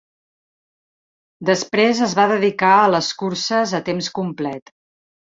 Després es va dedicar a les curses a temps complet.